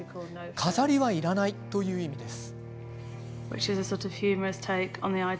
飾りはいらないという意味です。